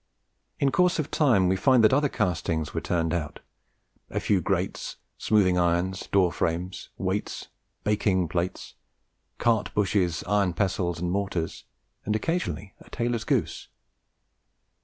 In course of time we find that other castings were turned out: a few grates, smoothing irons, door frames, weights, baking plates, cart bushes, iron pestles and mortars, and occasionally a tailor's goose.